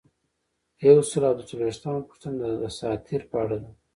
یو سل او دوه څلویښتمه پوښتنه د دساتیر په اړه ده.